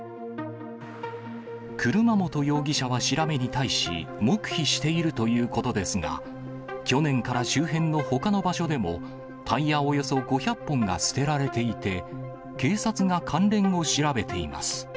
車本容疑者は調べに対し、黙秘しているということですが、去年から周辺のほかの場所でも、タイヤおよそ５００本が捨てられていて、警察が関連を調べています。